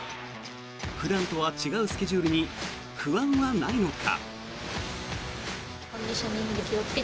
普段とは違うスケジュールに不安はないのか。